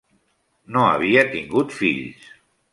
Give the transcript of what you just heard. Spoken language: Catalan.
No havia tingut fills.